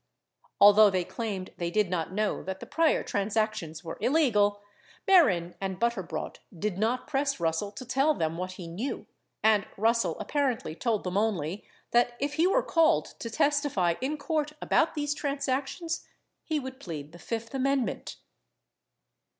Although they claimed they did not know that the prior transactions were illegal, Mehren and Butterbrodt did not press Rus sell to tell them what he knew, and Russell apparently told them only that if he were called to testify in court about these transactions, he would plead the fifth amendment.